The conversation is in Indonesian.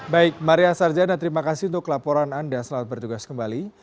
baik maria sarjana terima kasih untuk laporan anda selamat bertugas kembali